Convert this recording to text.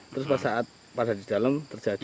terus pada saat pada di dalam terjadi